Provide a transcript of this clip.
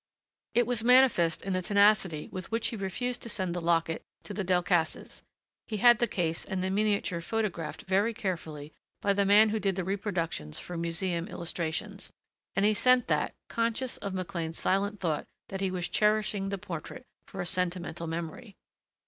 It was manifest in the tenacity with which he refused to send the locket to the Delcassés. He had the case and the miniature photographed very carefully by the man who did the reproductions for museum illustrations, and he sent that, conscious of McLean's silent thought that he was cherishing the portrait for a sentimental memory.